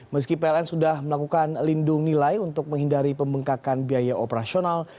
meski pln sudah melakukan lindung nilai untuk menghindari pembengkakan biaya operasional